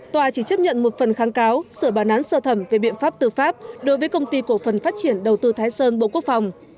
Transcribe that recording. tòa chỉ chấp nhận một phần kháng cáo sửa bản án sơ thẩm về biện pháp tư pháp đối với công ty cổ phần phát triển đầu tư thái sơn bộ quốc phòng